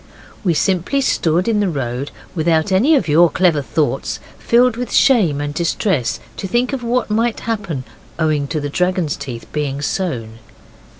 We simply stood in the road without any of your clever thoughts, filled with shame and distress to think of what might happen owing to the dragon's teeth being sown.